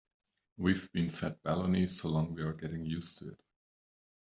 We've been fed baloney so long we're getting used to it.